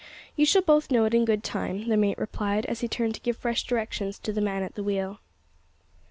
"You shall both know it in good time," the mate replied, as he turned to give fresh directions to the man at the wheel.